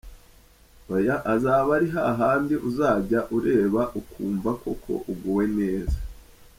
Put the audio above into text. Hoya azaba ari hahandi uzajya ureba ukumva koko uguwe neza.